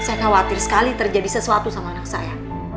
saya khawatir sekali terjadi sesuatu sama anak saya